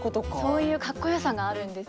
そういうカッコよさがあるんですよ。